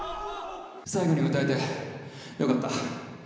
最後に歌えてよかった。